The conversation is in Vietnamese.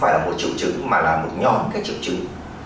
là một triệu chứng mà là một nhóm các triệu chứng